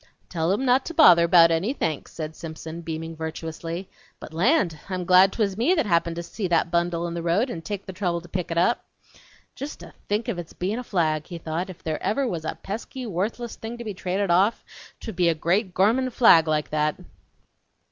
"Tell em not to bother bout any thanks," said Simpson, beaming virtuously. "But land! I'm glad twas me that happened to see that bundle in the road and take the trouble to pick it up." ("Jest to think of it's bein' a flag!" he thought; "if ever there was a pesky, wuthless thing to trade off, twould be a great, gormin' flag like that!")